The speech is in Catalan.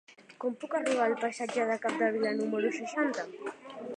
Com puc arribar al passatge de Capdevila número seixanta?